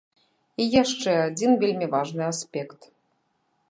І яшчэ адзін вельмі важны аспект.